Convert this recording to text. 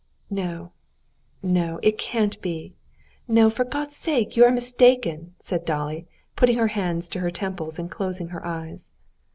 "No, no, it can't be! No, for God's sake, you are mistaken," said Dolly, putting her hands to her temples and closing her eyes.